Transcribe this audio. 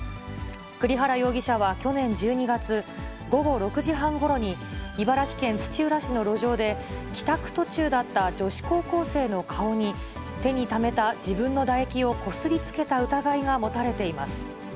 栗原容疑者は去年１２月、午後６時半ごろに、茨城県土浦市の路上で、帰宅途中だった女子高校生の顔に、手にためた自分の唾液をこすりつけた疑いが持たれています。